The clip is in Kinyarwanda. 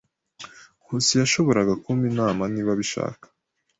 Nkusi yashoboraga kumpa inama niba abishaka.